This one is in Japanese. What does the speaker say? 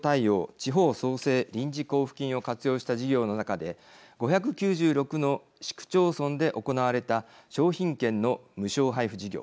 地方創生臨時交付金を活用した事業の中で５９６の市区町村で行われた商品券の無償配布事業。